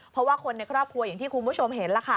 เพราะว่าคนในครอบครัวอย่างที่คุณผู้ชมเห็นล่ะค่ะ